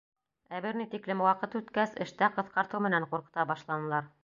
Ә бер ни тиклем ваҡыт үткәс, эштә ҡыҫҡартыу менән ҡурҡыта башланылар.